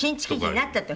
なった時。